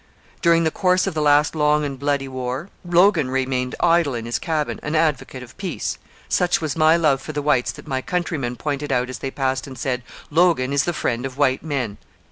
During the course of the last long and bloody war, Logan remained idle in his cabin, an advocate of peace. Such was my love for the whites that my countrymen pointed as they passed and said, 'Logan is the friend of white men.